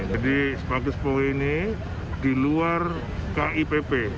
jadi sepaku semoy ini di luar kipp